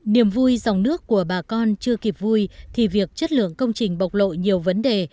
niềm vui dòng nước của bà con chưa kịp vui thì việc chất lượng công trình bộc lộ nhiều vấn đề